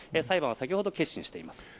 裁判は先ほど結審しています。